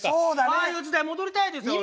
ああいう時代戻りたいですよ。